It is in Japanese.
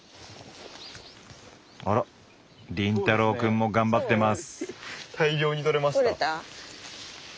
あら凛太郎くんも頑張ってます。